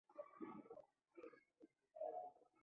د یوې عمومي اسامبلې له لوري د عمر تر پایه ټاکل کېده